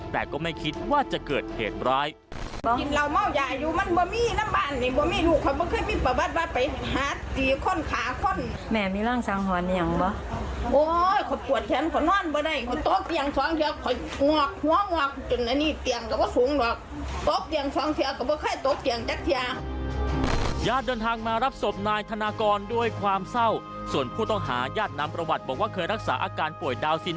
แต่ก็ไม่คิดว่าจะเกิดเหตุร้าย